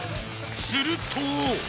すると